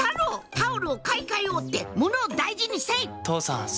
タオルを買い替えようって物を大事にせい！